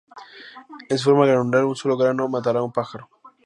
En su forma granular, un solo grano matará a un pájaro.